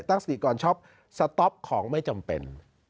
ตั้งสติก่อนช็อปสต๊อปของไม่จำเป็น